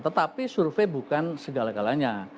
tetapi survei bukan segala galanya